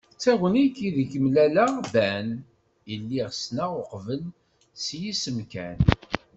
D tagnit ideg mlaleɣ Ben, i lliɣ ssneɣ uqbel s yisem kan.